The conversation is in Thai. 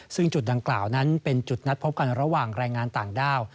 ซึ่งจุดดังกล่าวนั้นเป็นจุดนัดพบกันระหว่างแรงงานต่างด้าว